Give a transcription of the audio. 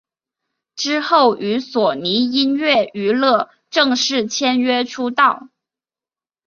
之后与索尼音乐娱乐正式签约出道。